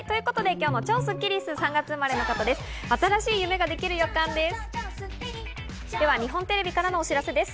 今日の超スッキりすは３月生まれの方です。